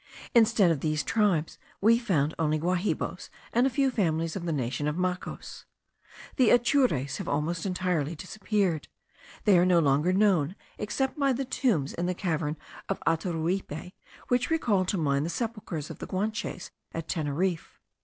Instead of these tribes we found only Guahibos, and a few families of the nation of Macos. The Atures have almost entirely disappeared; they are no longer known, except by the tombs in the cavern of Ataruipe, which recall to mind the sepulchres of the Guanches at Teneriffe.